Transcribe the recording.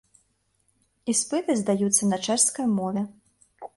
Іспыты здаюцца на чэшскай мове.